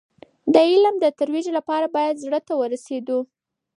د علم د ترویج لپاره باید زړه ته ورسېدو.